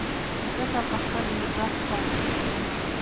مځکه پر خپل محور څرخي.